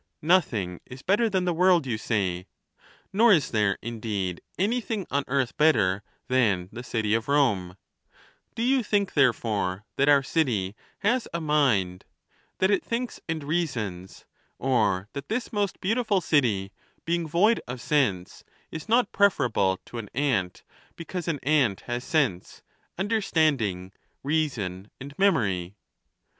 IX. Nothing is better than the world, you say. Nor is there, indeed, anything on earth better than the city of Rome ; do you think, therefore, that our city has a mind ; that it thinks and reasons ; or that this most beautiful city, being void of sense, is not preferable to an ant, because an ant has sense, understanding, reason, and memory